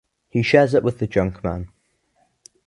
He shares it with the junkman.